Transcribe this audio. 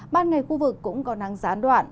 ban ngày khu vực cũng có năng gián đoạn